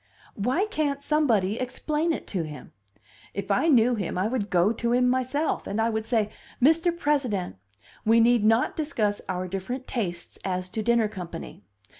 "Why can't somebody explain it to him? If I knew him, I would go to him myself, and I would say, Mr. President, we need not discuss our different tastes as to dinner company.